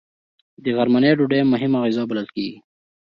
د غرمنۍ ډوډۍ مهمه غذا بلل کېږي